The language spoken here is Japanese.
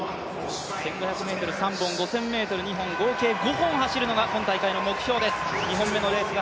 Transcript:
１５００ｍ３本、５０００ｍ２本合計５本走るのが今回の大会の目標です。